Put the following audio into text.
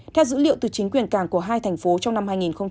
theo dữ liệu từ chính quyền cảng của hai thành phố trong năm hai nghìn hai mươi